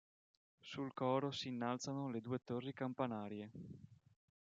Sul coro si innalzano le due torri campanarie.